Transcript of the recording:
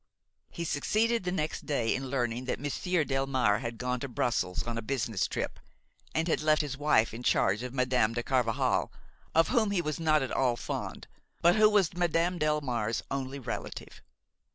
He succeeded the next day in learning that Monsieur Delmare had gone to Brussels on a business trip, and had left his wife in charge of Madame de Carvajal, of whom he was not at all fond, but who was Madame Delmare's only relative.